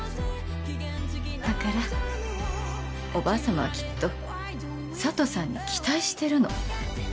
だからおばあさまはきっと佐都さんに期待してるの。